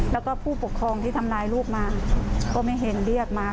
แล้วก็ผู้ปกครองที่ทำร้ายลูกมาก็ไม่เห็นเรียกมา